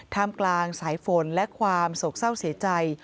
กลางสายฝนและความโศกเศร้าเสียใจ